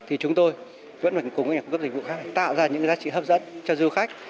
thì chúng tôi vẫn phải cùng các nhà cung cấp dịch vụ khác tạo ra những giá trị hấp dẫn cho du khách